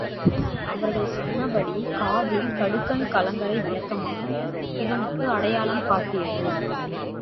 அவர்கள் சொன்னபடி காதில் கடுக்கன் கலங்கரை விளக்கமாக இவனுக்கு அடையாளம் காட்டியது.